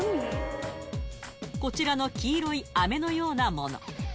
こちらの黄色いあめのようなもの。